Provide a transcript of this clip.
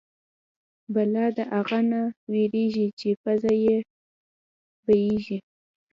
بلا د اغه نه وېرېږي چې پزه يې بيېږي.